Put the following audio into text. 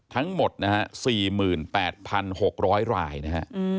ทั้งหมดนะฮะ๔๘๖๐๐รายนะฮะ